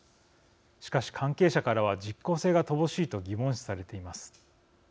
しかし、関係者からは実効性が乏しいと疑問視されています。